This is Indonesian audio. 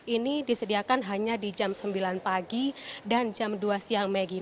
ini disediakan hanya di jam sembilan pagi dan jam dua siang maggie